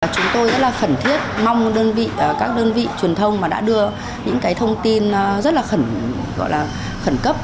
chúng tôi rất là khẩn thiết mong các đơn vị truyền thông đã đưa những cái thông tin rất là khẩn cấp